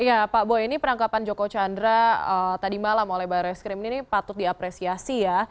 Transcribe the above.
iya pak boy penangkapan joko chandra tadi malam oleh barreskrim ini patut diapresiasi ya